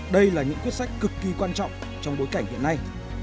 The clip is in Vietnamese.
đây là những quyết sách cực kỳ quan trọng trong bối cảnh hiện nay